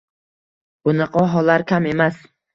bunaqa hollar kam emas